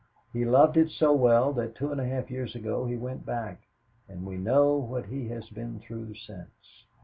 He loved it so well that two and a half years ago he went back, and we know what he has been through since.